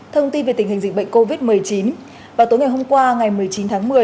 thông tin về tình hình dịch bệnh covid một mươi chín vào tối ngày hôm qua ngày một mươi chín tháng một mươi